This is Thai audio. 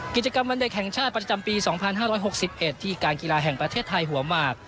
กิจกรรมวันเด็กแห่งชาติประจำปี๒๕๖๑ที่การกีฬาแห่งประเทศไทยหัวหมาก